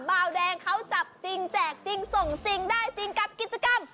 เบาแดงเขาจับจริงแจกจริงส่งจริงได้จริงกับกิจกรรม